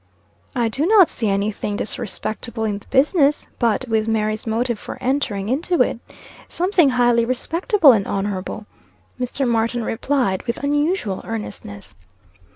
"I do not see any thing disrespectable in the business; but, with Mary's motive for entering into it, something highly respectable and honorable," Mr. Martin replied, with unusual earnestness.